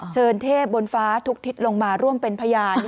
เชิญเทพบนฟ้าทุกทิศลงมาร่วมเป็นพยาน